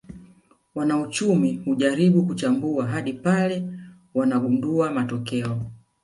Wanauchumi hujaribu kuchambua hadi pale wanagundua matokeo